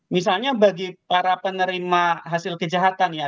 misalnya bagi para penerima hasil kejahatan ya